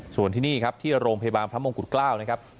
ส่วนที่นี่ที่โรงพยาบาลพระมงกุฎเกล้า